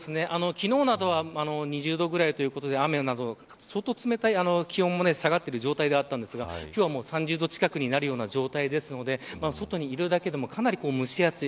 昨日などは２０度ぐらいということで雨など、相当冷たい気温も下がってる状態だったんですが今日は３０度近くになるような状態なので外にいるだけでもかなり蒸し暑い。